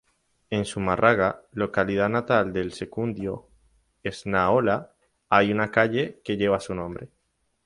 En Zumárraga, localidad natal de Secundino Esnaola, hay una calle que lleva su nombre.